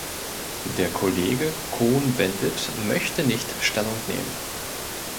Der Kollege Cohn-Bendit möchte nicht Stellung nehmen.